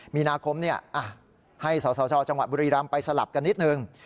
๒๓๒๔๒๕มีนาคมให้เศร้าจังหวัดบุรีรำไปสลับกันนิดหนึ่ง